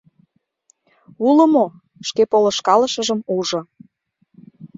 — Уло мо? — шке полышкалышыжым ужо.